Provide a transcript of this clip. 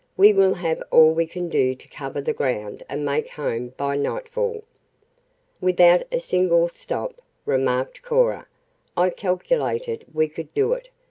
"We will have all we can do to cover the ground and make home by nightfall." "Without a single stop," remarked Cora, "I calculated we could do it.